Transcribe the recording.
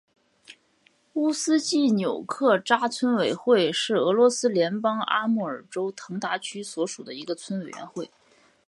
乌斯季纽克扎村委员会是俄罗斯联邦阿穆尔州腾达区所属的一个村委员会。